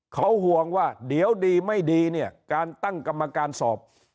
เขาห่วงว่าเดี๋ยวดีไม่ดีเนี่ยการตั้งกรรมการสอบ